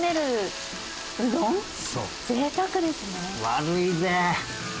悪いぜ！